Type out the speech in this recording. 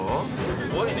すごいね。